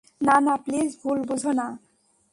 না, না, প্লিজ ভুল বুঝো না!